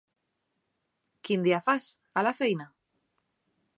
Quin dia fas, a la feina?